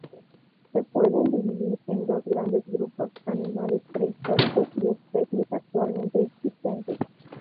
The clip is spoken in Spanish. Se pueden dividir en dos grandes grupos: animales prehistóricos y especies actualmente existentes.